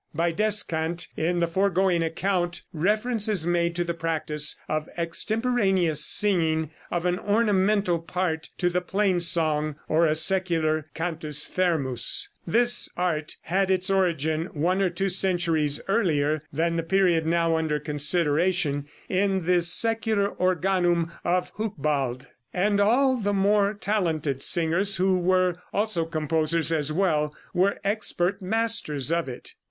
By descant in the foregoing account, reference is made to the practice of extemporaneous singing of an ornamental part to the plain song or a secular cantus fermus. This art had its origin one or two centuries earlier than the period now under consideration, in the secular organum of Hucbald (see p. 142), and all the more talented singers, who were also composers as well, were expert masters of it.